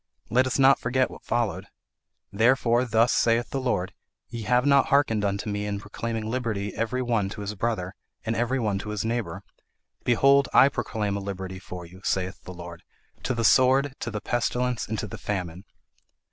Let us not forget what followed. 'Therefore, thus saith the Lord ye have not harkened unto me in proclaiming liberty every one to his brother, and every one to his neighbour behold I proclaim a liberty for you, saith the Lord, to the sword, to the pestilence, and to the famine.'